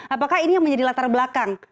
apakah ini yang menjadi latar belakang